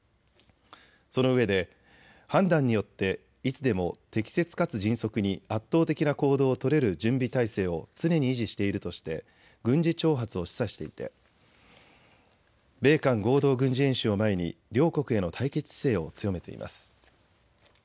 そのうえで判断によっていつでも適切かつ迅速に圧倒的な行動を取れる準備態勢を常に維持しているとして軍事挑発を示唆していて米韓合同軍事演習を前に両国への対決姿勢を強めています。